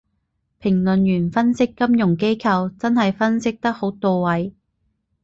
評論員分析金融機構真係分析得好到位